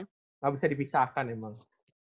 gak bisa dipisahkan emang